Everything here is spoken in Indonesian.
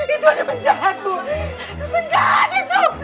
itu ada penjahat bu penjahat itu